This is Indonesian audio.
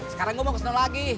sekarang gue mau kesana lagi